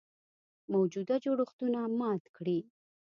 موجوده جوړښتونه مات کړي.